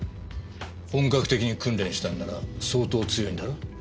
本格的に訓練したんなら相当強いんだろ？